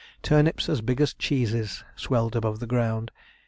Turnips as big as cheeses swelled above the ground.